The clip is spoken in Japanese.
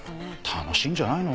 楽しいんじゃないの？